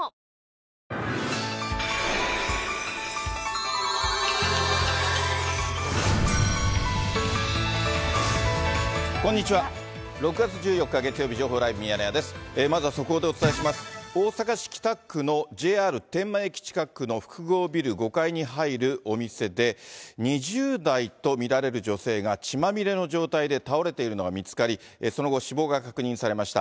大阪市北区のＪＲ天満駅近くの複合ビル５階に入るお店で、２０代と見られる女性が血まみれの状態で倒れているのが見つかり、その後、死亡が確認されました。